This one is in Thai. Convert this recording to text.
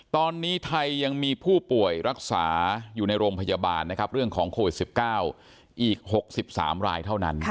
ตอนนี้ไทยยังมีผู้ป่วยรักษาอยู่ในโรงพยาบาลนะครับเรื่องของโควิด๑๙อีก๖๓รายเท่านั้น